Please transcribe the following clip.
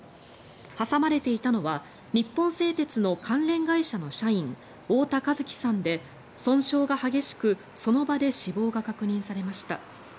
挟まれていたのは日本製鉄の関連会社の社員太田和輝さんで損傷が激しくその場で死亡が確認されました。